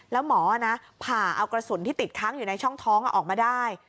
แล้วหมอผ่าเอากระสุนที่ติดค้างอยู่ในช่องท้องออกมาได้